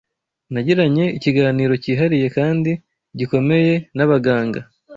Nagiranye ikiganiro kihariye kandi gikomeye n’abaganga